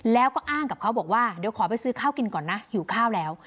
แล้วก็อ้างกับเขาบอกว่าเดี๋ยวขอไปซื้อข้าวกินก่อนนะหิวข้าวแล้ว